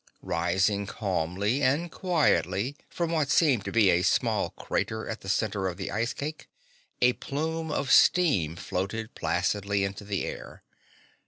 Rising calmly and quietly from what seemed to be a small crater at the center of the ice cake, a plume of steam floated placidly into the air.